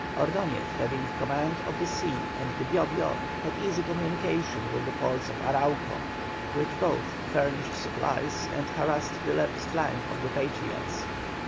Ordoñez having command of the sea and the Bio Bio, had easy communication with the ports of Arauco, which both furnished supplies and harassed the left flank of the Patriots.